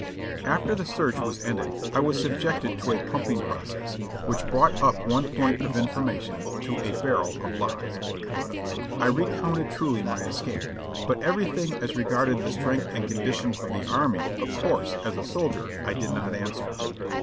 After the search was ended I was subjected to a pumping pro cess, which brought up one pint of information to a barrel of lies. I recounted truly my escape, but everything as regarded the strength and condition of the army, of course, as a soldier, I did not answer.